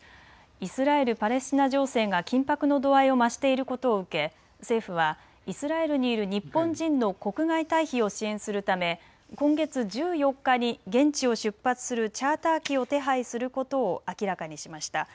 イスラエル・パレスチナ情勢が緊迫の度合いを増していることを受け、政府はイスラエルにいる日本人の国外退避を支援するため今月１４日に現地を出発するチャーター機を手配することを明らかにしました。